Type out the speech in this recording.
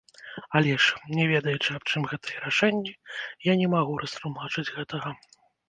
Але ж, не ведаючы, аб чым гэтыя рашэнні, я не магу растлумачыць гэтага.